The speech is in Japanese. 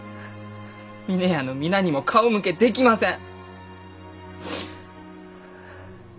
峰屋の皆にも顔向けできません！